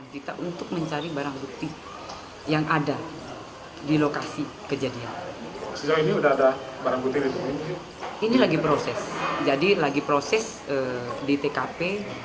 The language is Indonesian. jadi lagi proses di tkp